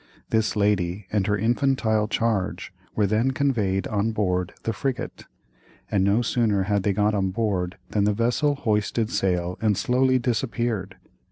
This lady and her infantile charge were then conveyed on board the frigate, and no sooner had they got on board than the vessel hoisted sail and slowly disappeared.